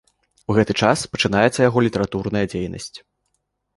У гэты час пачынаецца яго літаратурная дзейнасць.